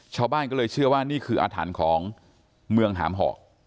ชาวบ้านก็เลยเชื่อว่านี่คืออาถรรพ์ของเมืองหามหอก